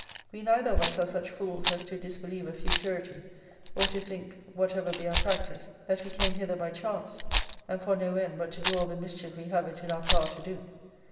We neither of us are such fools as to disbelieve a futurity, or to think, whatever be our practice, that we came hither by chance, and for no end but to do all the mischief we have it in our power to do.